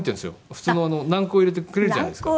普通の軟こう入れてくれるじゃないですか。